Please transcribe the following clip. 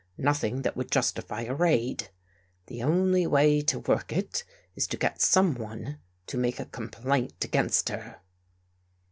Nothing that would justify a raid. The only way to work it is to get someone to make a complaint against her."